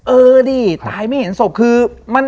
เออดิตายไม่เห็นศพคือมัน